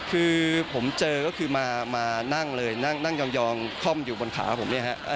คือผมเจอก็คือมานั่งเลยนั่งยองคล่อมอยู่บนขาผมเนี่ยฮะ